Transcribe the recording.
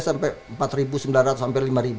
sampai empat sembilan ratus sampai